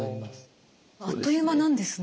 あっという間なんですね。